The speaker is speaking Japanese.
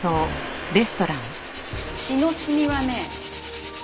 血の染みはね。